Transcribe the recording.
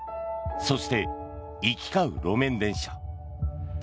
そして、行き交う路面電車。